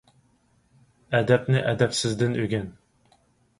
ئەدەپنى ئەدەپسىزدىن ئۆگەن.